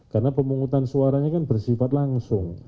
karena pemungutan suaranya kan bersifat langsung